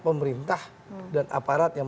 pemerintah dan aparat yang